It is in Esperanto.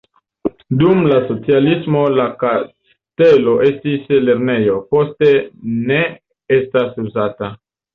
Dum la socialismo la kastelo estis lernejo, poste ne estas uzata.